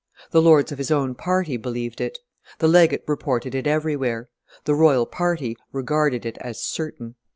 The lords of his own party believed it; the legate reported it everywhere; the royal party regarded it as certain.